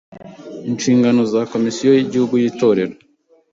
INSHINGANO ZA KOMISIYO Y’IGIHUGU Y’ITORERO